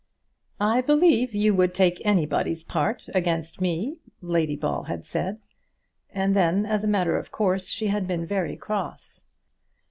"I believe you would take anybody's part against me," Lady Ball had said, and then as a matter of course she had been very cross.